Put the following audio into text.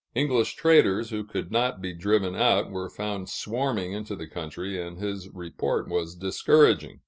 English traders, who could not be driven out, were found swarming into the country, and his report was discouraging.